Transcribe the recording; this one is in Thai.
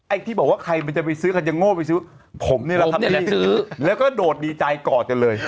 ที่บอกว่าใครมันจะไปซื้อคันจะโง่ไปซื้อผมนี่แหละทำยังไงซื้อแล้วก็โดดดีใจกอดกันเลย